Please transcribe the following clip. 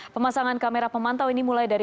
pemasangan kamera pemantau ini mulai dari